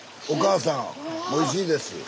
おかあさんおいしいです。